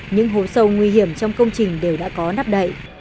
những hố sâu nguy hiểm trong công trình đều đã có nắp đậy